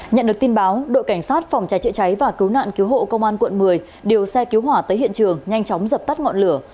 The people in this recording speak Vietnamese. nhận được tin báo đội cảnh sát phòng cháy chữa cháy và cứu nạn cứu hộ công an quận một mươi điều xe cứu hỏa tới hiện trường nhanh chóng dập tắt ngọn lửa